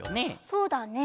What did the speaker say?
そうだね。